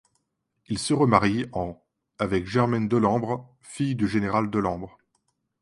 Il se remarie, en avec Germaine Delambre, fille du général Delambre.